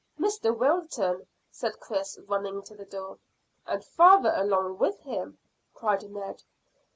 "Mr Wilton," said Chris, running to the door. "And father along with him," cried Ned.